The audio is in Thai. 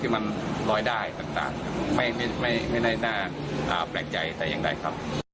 ไม่น่าแปลกใจแต่ยังได้ครับ